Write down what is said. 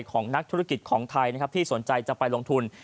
ของนักธุรกิจของไทยนะครับที่สนใจจะไปลงทุน